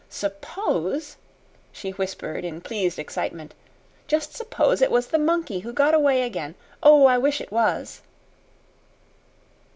"Suppose," she whispered in pleased excitement "just suppose it was the monkey who got away again. Oh, I wish it was!"